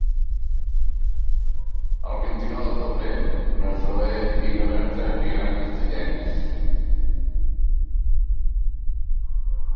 El vint-i-nou de febrer na Zoè i na Berta aniran a Estellencs.